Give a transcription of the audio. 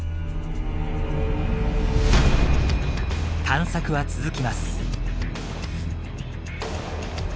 探索は続きます。